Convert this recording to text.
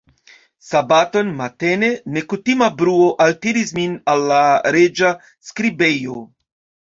Sabaton matene, nekutima bruo altiris min al la reĝa skribejo.